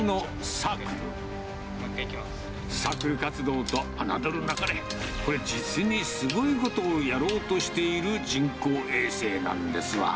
サークル活動とあなどるなかれ、これ、実にすごいことをやろうとしている人工衛星なんですわ。